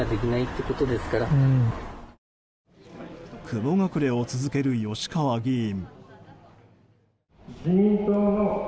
雲隠れを続ける吉川議員。